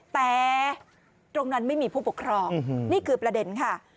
แต่ตรงนั้นไม่มีผู้ปกครองนี่คือประเด็นค่ะ